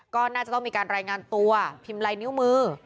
ก็น่าจะต้องมีการรายงานตัวพิมพ์ลายนิ้วมือ